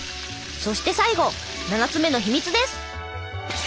そして最後７つ目の秘密です！